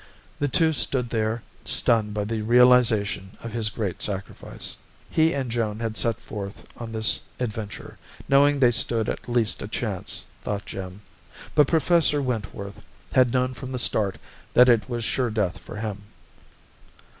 The two stood there stunned by the realization of his great sacrifice. He and Joan had set forth on this venture knowing they stood at least a chance, thought Jim, but Professor Wentworth had known from the start that it was sure death for him.